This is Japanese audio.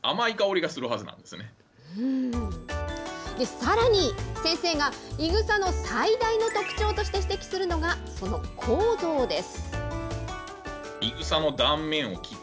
さらに、先生がいぐさの最大の特徴として指摘するのが、その構造です。